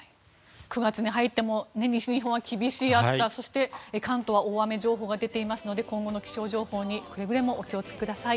９月に入っても西日本は厳しい暑さそして、関東は大雨情報が出ていますので今後の気象情報にくれぐれもお気を付けください。